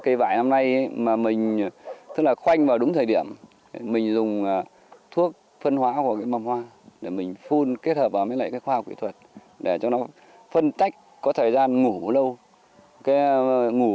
cây vải năm nay mà mình khoanh vào đúng thời điểm mình dùng thuốc phân hóa của mầm hoa để mình phun kết hợp vào mấy lệnh khoa học kỹ thuật để cho nó phân tách có thời gian ngủ lâu